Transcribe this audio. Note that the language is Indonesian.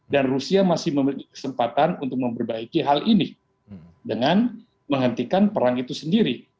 dan rusia masih memiliki kesempatan untuk memperbaiki hal ini dengan menghentikan perang itu sendiri